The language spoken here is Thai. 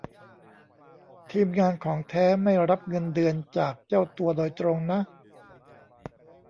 ทีมงาน ของแท้ ไม่รับเงินเดือนจากเจ้าตัวโดยตรงนะ